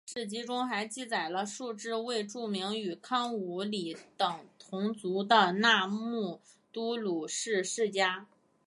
史籍中还记载了数支未注明与康武理等同族的那木都鲁氏世家。